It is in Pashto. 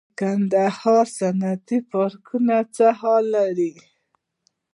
د کندهار صنعتي پارک څه حال لري؟